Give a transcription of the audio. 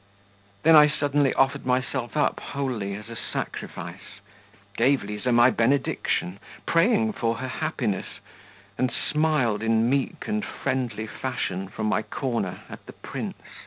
Then I suddenly offered myself up wholly as a sacrifice, gave Liza my benediction, praying for her happiness, and smiled in meek and friendly fashion from my corner at the prince.